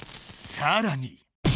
さらに！